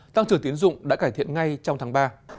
tăng trưởng tiến dụng đã cải thiện ngay trong tháng ba